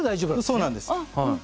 そうなんです。